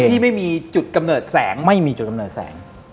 ที่ไม่มีจุดกำเนิดแสงไม่มีจุดกำเนิดแสง